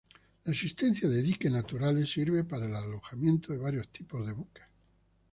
La existencia de dique naturales sirve para el alojamiento de varios tipos de buque.